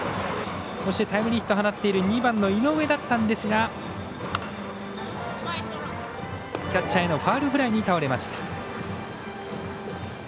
そして、タイムリーヒットを放っている２番の井上でしたがキャッチャーへのファウルフライに倒れました。